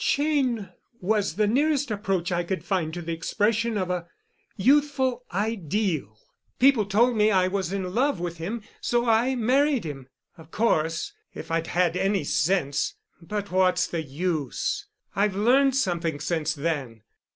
Cheyne was the nearest approach I could find to the expression of a youthful ideal—people told me I was in love with him—so I married him. Of course, if I had had any sense—but what's the use? I've learned something since then.